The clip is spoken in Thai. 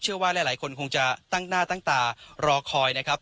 ว่าหลายคนคงจะตั้งหน้าตั้งตารอคอยนะครับ